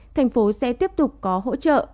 thành phố sẽ tiếp tục có hỗ trợ